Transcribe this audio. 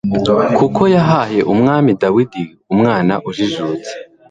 kuko yahaye Umwami Dawidi umwana ujijutse